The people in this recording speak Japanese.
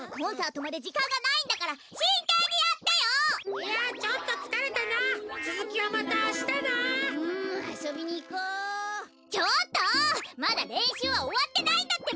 まだれんしゅうはおわってないんだってば！